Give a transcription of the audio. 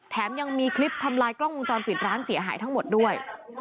แถมยังมีคลิปทำลายกล้องวงจรปิดร้านเสียหายทั้งหมดด้วย